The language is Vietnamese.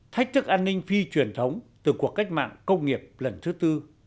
thách thức an ninh phi truyền thống từ cuộc cách mạng công nghiệp lần thứ tư